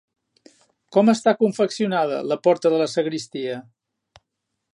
Com està confeccionada la porta de la sagristia?